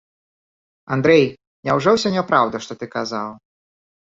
Андрэй, няўжо ўсё няпраўда, што ты казаў?